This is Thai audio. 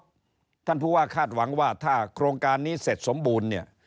ท่านผู้ว่าคาดหวังว่าถ้าโครงการนี้เสร็จสมบูรณ์เนี่ย